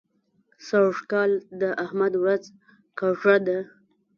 سږ کال د احمد ورځ کږه ده.